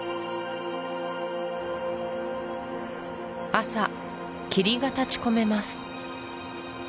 朝霧が立ちこめます